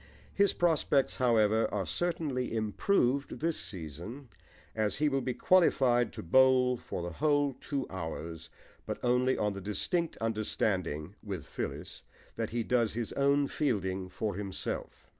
His prospects, however, are certainly improved this season, as he will be qualified to bowl for the whole two hours, but only on the distinct understanding (with Phyllis) that he does his own fielding for himself.